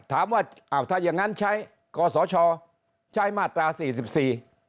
ถามว่าอ้าวถ้าอย่างงั้นใช้กศชใช้มาตราสี่สิบสี่